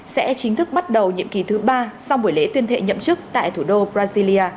sẽ chính thức bắt đầu nhiệm kỳ thứ ba sau buổi lễ tuyên thệ nhậm chức tại thủ đô brasilia